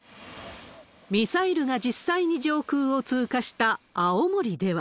ミサイルが実際に上空を通過した青森では。